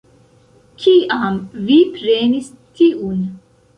Kiam vi prenis tiun?